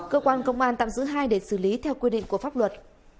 cơ quan công an tạm giữ hai để xử lý theo quy định của pháp luật